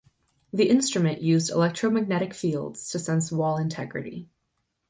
The instrument used electromagnetic fields to sense wall integrity.